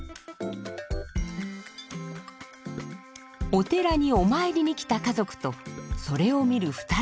お寺にお参りに来た家族とそれを見る２人の男性。